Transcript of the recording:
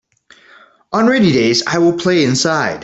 On rainy days I will play inside.